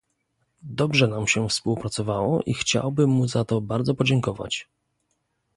Dobrze nam się współpracowało i chciałbym mu za to bardzo podziękować